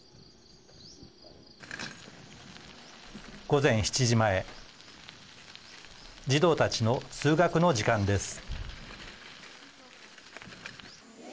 午前７時前児童たちの通学の時間です。